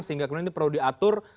sehingga kemudian ini perlu diatur